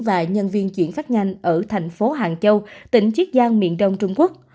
và nhân viên chuyển phát nhanh ở thành phố hàng châu tỉnh chiết giang miền đông trung quốc